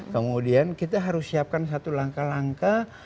kemudian kita harus siapkan satu langkah langkah